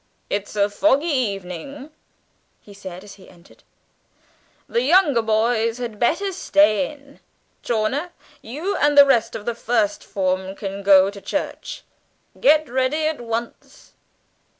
"It's a foggy evening," he said as he entered: "the younger boys had better stay in. Chawner, you and the rest of the first form can go to church; get ready at once."